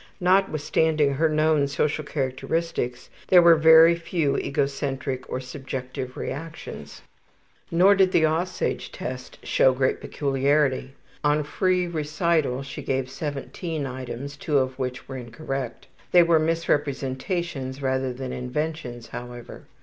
Notwithstanding her known social characteristics, there were very few egocentric or subjective reactions. Nor did the ``Aussage'' test show great peculiarity. On free recital she gave 17 items, two of which were incorrect. They were misinterpretations rather than inventions, however.